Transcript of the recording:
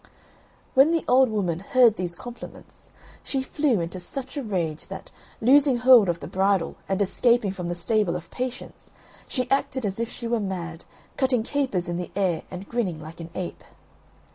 When the old woman heard these compliments she flew into such a rage that, losing hold of the bridle and escaping from the stable of patience, she acted as if she were mad, cutting capers in the air and grinning like an ape.